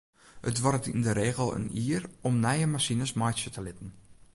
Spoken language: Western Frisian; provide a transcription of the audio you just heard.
It duorret yn de regel in jier om nije masines meitsje te litten.